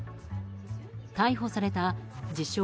逮捕された自称